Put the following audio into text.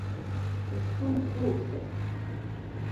Tas suns rūc taču.